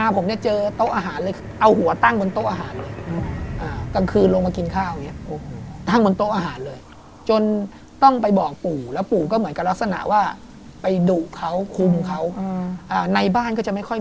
ผมจะไม่พูดอะไรแบบนั้น